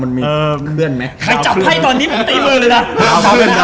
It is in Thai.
มันมีเพื่อนมั้ยใครจับให้ตอนนี้ตีมือเลยนะ